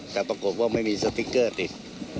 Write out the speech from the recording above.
แต่ปรากฏว่าไม่มีสติ๊กเกอร์ติด